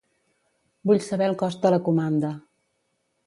Vull saber el cost de la comanda.